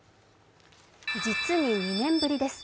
実に２年ぶりです。